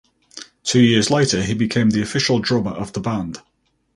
Two years later he became the official drummer of the band.